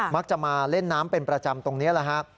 มักจะมาเล่นน้ำเป็นประจำตรงนี้แหละฮะ